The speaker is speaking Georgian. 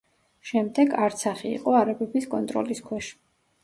შემდეგ, არცახი იყო არაბების კონტროლის ქვეშ.